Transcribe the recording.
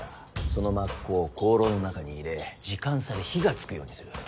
その抹香を香炉の中に入れ時間差で火がつくようにする。